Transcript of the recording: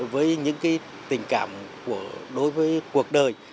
với những tình cảm đối với cuộc đời